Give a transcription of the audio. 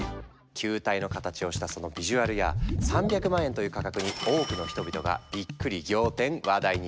球体の形をしたそのビジュアルや３００万円という価格に多くの人々がびっくり仰天話題に。